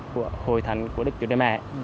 của hội thánh của đức chúa trẻ mẹ